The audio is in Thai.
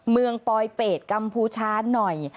เมืองปลอยเปรตกัมภูชาหน่อย